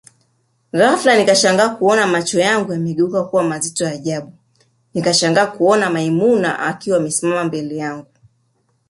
Ghafla nikashangaa kuona macho yangu yamekuwa mazito ajabu nikashangaa kuona maimuna akiwa amesimama mbele